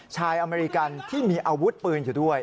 อเมริกันที่มีอาวุธปืนอยู่ด้วย